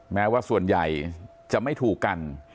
แม้ว่าส่วนใหญ่จะไม่ถูกกัน